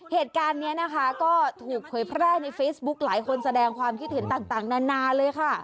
เหตุการณ์นี้นะคะก็ถูกเผยแพร่ในเฟซบุ๊กหลายคนแสดงความคิดเห็นต่างนานาเลยค่ะ